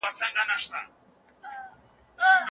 د ارغنداب سیند د انسانانو او حیواناتو لپاره یو ژوندی نعمت دی.